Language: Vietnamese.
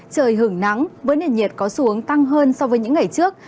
trời hưởng nắng với nền nhiệt có xuống tăng hơn so với những ngày trước